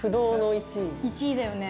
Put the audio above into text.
１位だよね。